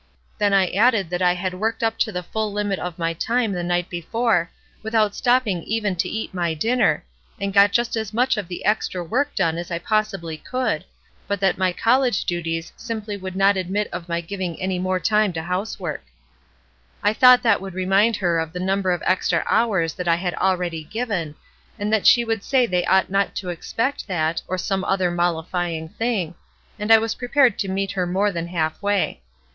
Then I added that I had worked up to the full limit of my time the night before, without stopping even to eat my dinner, and got just as much of the extra work done as I possibly could, but that my college duties simply would not admit of my giving any more time to housework. 76 ESTER RIED'S NAMESAKE I thought that would remind her of the number of extra hours that I had already given, and that she would say they ought not to expect that, or some other mollifying thing, and I was prepared to meet her more than halfway.